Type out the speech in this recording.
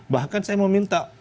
bahkan saya meminta